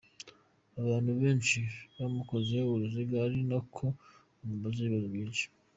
Abantu benshi bamukozeho uruziga, ari nako bamubaza ibibazo byinshi.